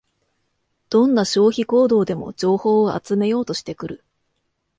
どんな消費行動でも情報を集めようとしてくる